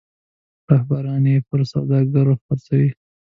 رهبران یې پر سوداګرو خرڅوي.